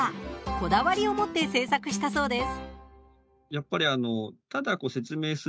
こだわりを持って制作したそうです。